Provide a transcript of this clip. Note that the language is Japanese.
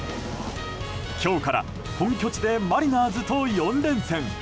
今日から本拠地でマリナーズと４連戦。